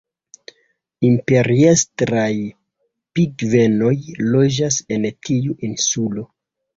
Imperiestraj pingvenoj loĝas en tiu insulo.